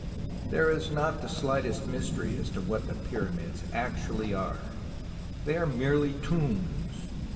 There is not the slightest mystery as to what the Pyramids actually are. They are merely tombs.